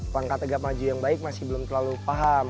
langkah tegak maju yang baik masih belum terlalu paham